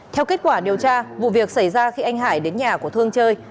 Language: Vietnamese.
theo kết quả điều tra vụ việc xảy ra khi anh hải đến nhà của thương chơi